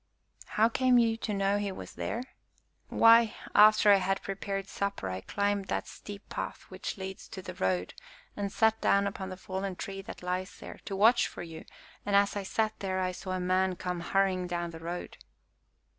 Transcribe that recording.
"How came you to know he was there?" "Why, after I had prepared supper I climbed that steep path which leads to the road and sat down upon the fallen tree that lies there, to watch for you, and, as I sat there, I saw a man come hurrying down the road."